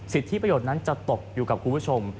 สิทธิประโยชน์นั้นจะตกอยู่กับคุณผู้ชม